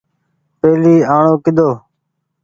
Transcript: پهلي آڻو ڪيۮو۔